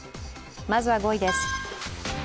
まずは５位です。